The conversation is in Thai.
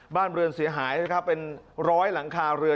บ้านเรือนเสียหายนะครับเป็นร้อยหลังคาเรือน